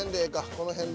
この辺で。